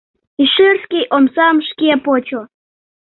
Ишерский омсам шке почо.